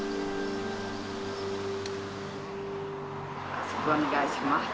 よろしくお願いします。